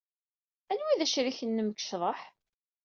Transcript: Anwa ay d acrik-nnem deg ccḍeḥ?